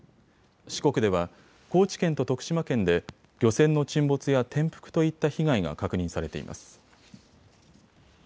四国では高知県と徳島県で漁船の沈没や転覆といった被害が確認されています。